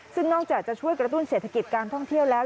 ซึ่งนอกจากจะช่วยกระตุ้นเศรษฐกิจการท่องเที่ยวแล้ว